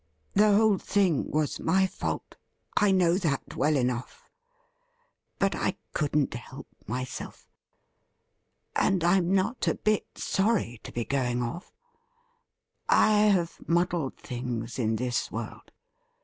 The whole thing was my fault ; I know that well enough. But I couldn't help myself. And I'm not a bit sorry to be going off. I have muddled things in this world.